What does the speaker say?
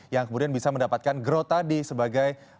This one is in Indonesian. yang kemudian bisa mendapatkan growth tadi sebagai